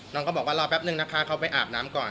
น้องก็บอกว่ารอแป๊บนึงนะคะเขาไปอาบน้ำก่อน